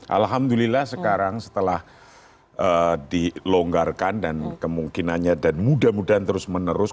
alhamdulillah sekarang setelah dilonggarkan dan kemungkinannya dan mudah mudahan terus menerus